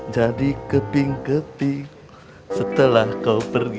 jadi keping keping setelah kau pergi